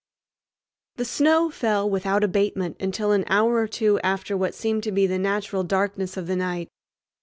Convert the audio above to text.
The snow fell without abatement until an hour or two after what seemed to be the natural darkness of the night.